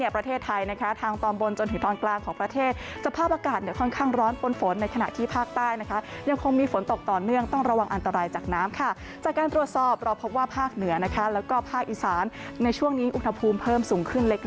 ประเทศไทยทางตอนบนจนสมัยถึงตอนกลาง